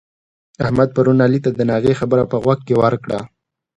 احمد پرون علي ته د ناغې خبره په غوږ کې ورکړه.